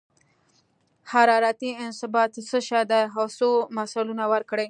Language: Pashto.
حرارتي انبساط څه شی دی او څو مثالونه ورکړئ.